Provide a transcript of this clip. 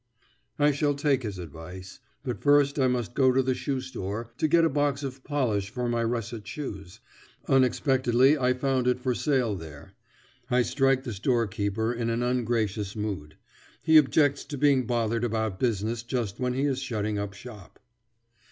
I shall take his advice. But first I must go to the shoe store to get a box of polish for my russet shoes. Unexpectedly I found it for sale there. I strike the storekeeper in an ungracious mood. He objects to being bothered about business just when he is shutting up shop.